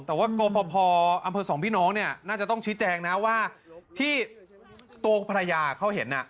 แต่ว่ากรฟภอำเภอสองพี่น้องเนี่ยน่าจะต้องชี้แจงนะว่าที่ตัวภรรยาเขาเห็น